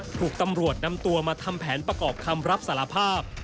ถูกตำรวจนำตัวมาทำแผนประกอบคำรับสารภาพ